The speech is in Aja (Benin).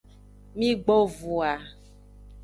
Migbo voa.